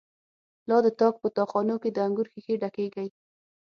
لا د تاک په تا خانو کی، د انگور ښیښی ډکیږی